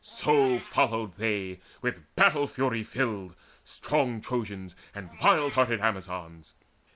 So followed they, with battle fury filled, Strong Trojans and wild hearted Amazons.